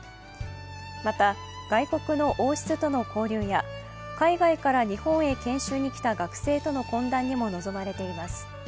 また、外国の王室との交流や海外から日本へ研修に来た学生との懇談にも臨まれています。